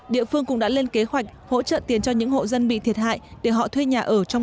địa phương cũng đã lên kế hoạch hỗ trợ tiền cho những hộ dân bị thiệt hại để họ thuê nhà ở trong